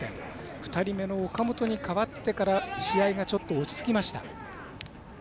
２人目の岡本に代わってから試合がちょっと落ち着きました。